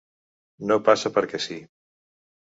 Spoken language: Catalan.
No passa per què sí.